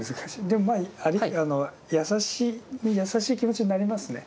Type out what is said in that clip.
でも優しい気持ちになりますね。